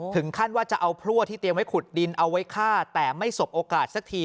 ถึงขั้นว่าจะเอาพลั่วที่เตรียมไว้ขุดดินเอาไว้ฆ่าแต่ไม่สบโอกาสสักที